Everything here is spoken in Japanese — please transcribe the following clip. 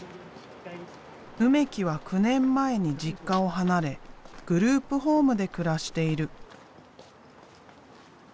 梅木は９年前に実家を離れグループホームで暮らしている。